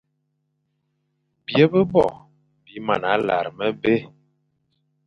Bîe-be-bo bi mana lar mebé ;